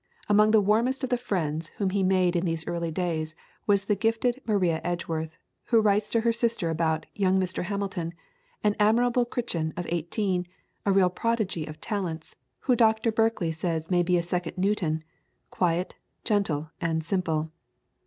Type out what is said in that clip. Among the warmest of the friends whom he made in these early days was the gifted Maria Edgeworth, who writes to her sister about "young Mr. Hamilton, an admirable Crichton of eighteen, a real prodigy of talents, who Dr. Brinkley says may be a second Newton, quiet, gentle, and simple."